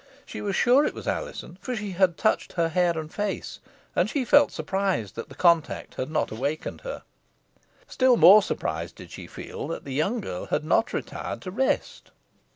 She was sure it was Alizon for she had touched her hair and face, and she felt surprised that the contact had not awakened her. Still more surprised did she feel that the young girl had not retired to rest.